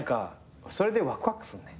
それでワクワクすんねん。